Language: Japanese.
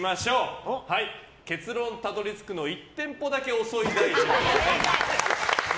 結論たどり着くの１テンポだけ遅い大臣。